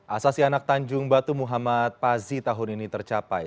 asasi anak tanjung batu muhammad pazi tahun ini tercapai